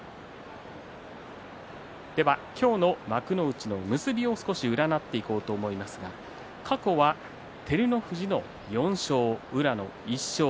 今日の幕内の結びを少し占っていこうと思いますが過去は照ノ富士の４勝宇良の１勝。